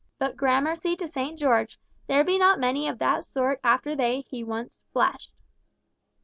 But grammercy to St. George, there be not many of that sort after they he once fleshed!"